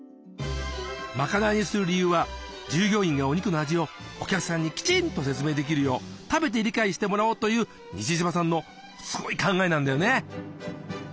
まかないにする理由は従業員がお肉の味をお客さんにきちんと説明できるよう食べて理解してもらおうという西島さんの考えなんだよね。